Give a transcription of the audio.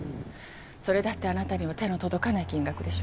それだってあなたには手の届かない金額でしょ？